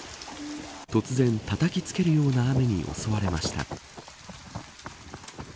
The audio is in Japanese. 突然たたきつけるような雨に襲われました。